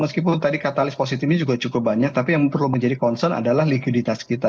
meskipun tadi katalis positifnya juga cukup banyak tapi yang perlu menjadi concern adalah likuiditas kita